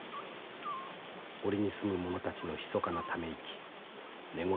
森に住むものたちのひそかなため息寝言